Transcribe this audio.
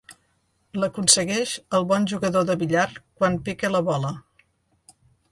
L'aconsegueix el bon jugador de billar quan pica la boca.